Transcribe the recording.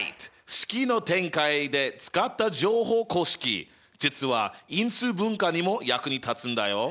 式の展開で使った乗法公式実は因数分解にも役に立つんだよ。